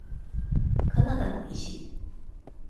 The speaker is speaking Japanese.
カナダの石。